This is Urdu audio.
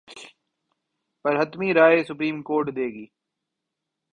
پر حتمی رائے سپریم کورٹ دے گی۔